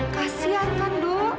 kasian kan dok